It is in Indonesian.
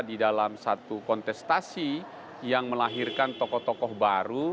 di dalam satu kontestasi yang melahirkan tokoh tokoh baru